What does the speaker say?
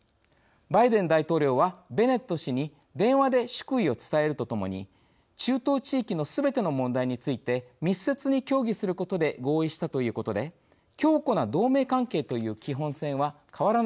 バイデン大統領はベネット氏に電話で祝意を伝えるとともに中東地域のすべての問題について密接に協議することで合意したということで強固な同盟関係という基本線は変わらないと思います。